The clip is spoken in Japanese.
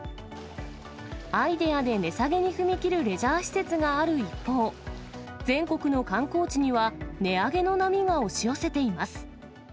アイデアで値下げに踏み切るレジャー施設がある一方、全国の観光地には値上げの波が押し寄せています。